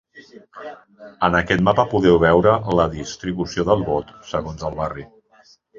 En aquest mapa podeu veure la distribució del vot segons el barri.